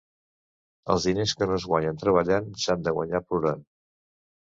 Els diners que no es guanyen treballant, s'han de guanyar plorant.